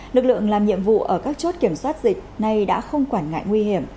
lực lượng làm nhiệm vụ ở các chốt kiểm soát dịch nay đã không quản ngại nguy hiểm